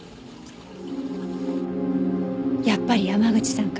やっぱり山口さんから。